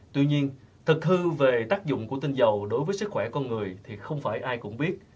tuy nhiên thực hư về tác dụng của tinh dầu đối với sức khỏe con người thì không phải ai cũng biết